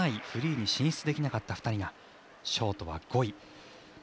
フリーに進出できなかった２人がショートは５位。